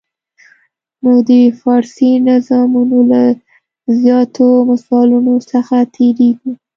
نو د فارسي نظمونو له زیاتو مثالونو څخه تېریږو.